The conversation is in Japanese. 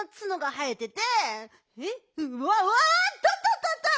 うわわっとっとっとっと！